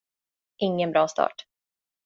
Ingen bra start.